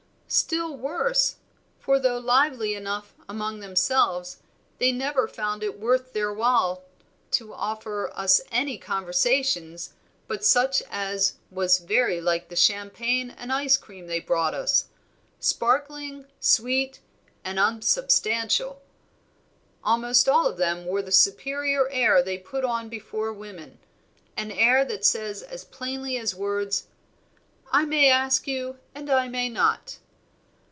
"Still worse; for, though lively enough among themselves they never found it worth their while to offer us any conversation but such as was very like the champagne and ice cream they brought us, sparkling, sweet, and unsubstantial. Almost all of them wore the superior air they put on before women, an air that says as plainly as words, 'I may ask you and I may not.'